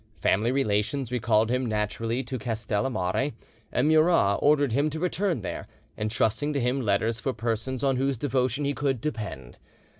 Family relations recalled him naturally to Castellamare, and Murat ordered him to return there, entrusting to him letters for persons on whose devotion he could depend.